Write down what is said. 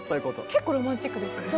結構ロマンチックですよね。